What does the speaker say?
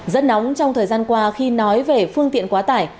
rất nóng trong thời gian qua khi nói về phương tiện quá tải